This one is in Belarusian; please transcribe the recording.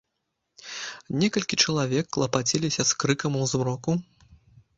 Некалькі чалавек клапаціліся з крыкам у змроку.